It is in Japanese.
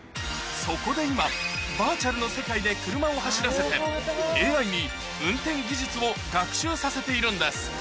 そこで今バーチャルの世界で車を走らせてＡＩに運転技術を学習させているんです